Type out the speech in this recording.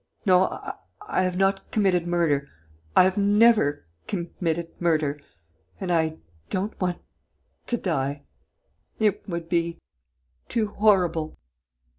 No, I have not committed murder.... I have never committed murder.... And I don't want to die.... it would be too horrible...."